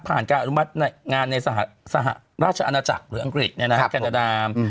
ผ่านการอนุมัติงานในราชอาณาจักรหรืออังกฤษแนะนำกรรม